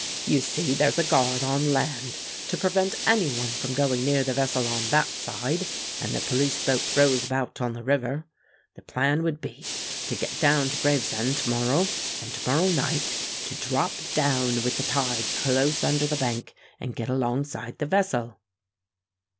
"You see there's a guard on land, to prevent any one from going near the vessel on that side; and the police boat rows about on the river. The plan would be, to get down to Gravesend to morrow, then to morrow night, to drop down with the tide close under the bank, and get alongside the vessel."